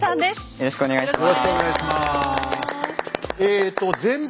よろしくお願いします。